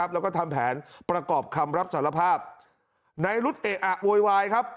แล้วก็ทำแผนประกอบคำรับสารภาพนายรุธเอะอะโวยวายครับ